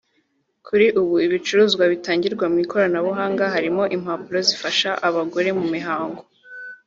Kuri ubu ibicuruzwa bitangirwa muri iri koranabuhanga birimo impapuro zifasha abagore mu mihango